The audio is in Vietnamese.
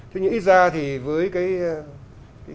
thế nhưng ít ra thì với cái